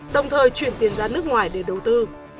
đồng thời chuyển tiền ra nước ngoài để đầu tư